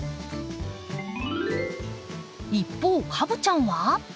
一方カブちゃんは？